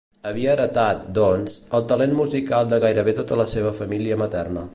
Havia heretat, doncs, el talent musical de gairebé tota la seva família materna.